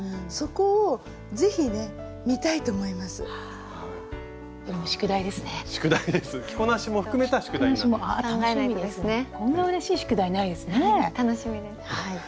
こんなうれしい宿題ないですね。楽しみです。